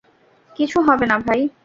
কিছু হবে না ভাই!